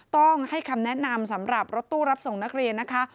ต้องให้คำแนะนำสำหรับรถตู้รับส่งนักเรียนนะคะ